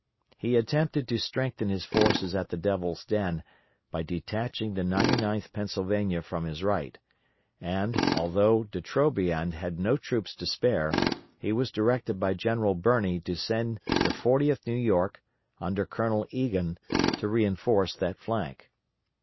He attempted to strengthen his forces at the Devil's Den by detaching the 99th Pennsylvania from his right, and, although De Trobriand had no troops to spare, he was directed by General Birney to send the 40th New York, under Colonel Egan, to reinforce that flank.